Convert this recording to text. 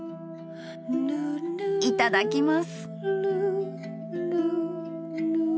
いただきます！